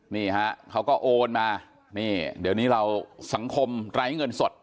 นี่ฮะเขาก็โอนมานี่เดี๋ยวนี้เราสังคมไร้เงินสด